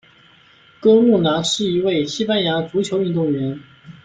哥路拿是一位西班牙足球运动员。